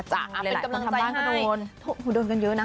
เป็นกำลังใจให้โดนกันเยอะนะ